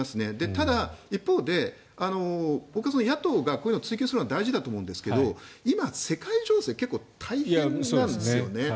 ただ、一方で僕は、野党がこういうのを追及するのは大事だと思うんですが今、世界情勢結構大変なんですよね。